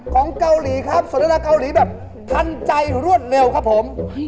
ของเกาหลีครับสนทนาเกาหลีแบบทันใจรวดเร็วครับผม